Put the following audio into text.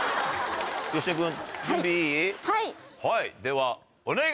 はい！